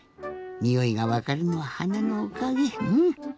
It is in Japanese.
においがわかるのははなのおかげうん。